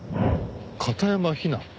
片山雛子？